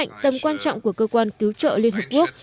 nó là một trong những quan trọng của cơ quan cứu trợ liên hợp quốc